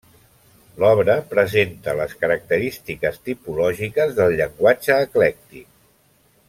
L'obra presenta les característiques tipològiques del llenguatge eclèctic.